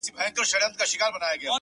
• لا هم له پاڼو زرغونه پاته ده,